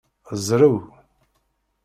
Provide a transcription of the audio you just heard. Zrew.